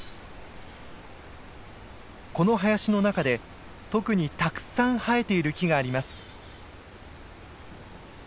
この林の中で特にたくさん生えている木があります。